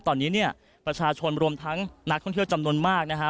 ตอนนี้เนี่ยประชาชนรวมทั้งนักท่องเที่ยวจำนวนมากนะฮะ